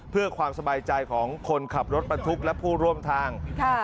เพื่อความสบายใจของคนขับรถบรรทุกและผู้ร่วมทาง